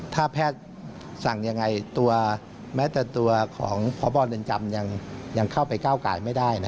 ถ้าแพทย์สั่งอย่างไรแม้แต่ตัวของพบเรียนจำยังเข้าไป๙กายไม่ได้นะ